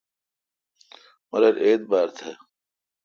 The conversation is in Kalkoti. مہ رل اعبار تھ۔